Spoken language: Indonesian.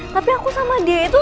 tapi aku sama dia itu